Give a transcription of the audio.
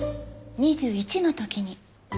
２１の時に。